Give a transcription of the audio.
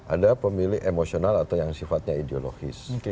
ada pemilih emosional atau yang sifatnya ideologis